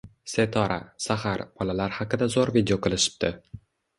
Setora, Sahar, Bolalar haqida zo‘r video qilishibdi.